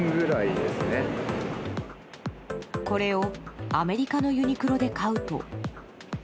これをアメリカのユニクロで買うと。